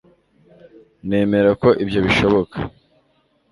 nemera ko ibyo bishoboka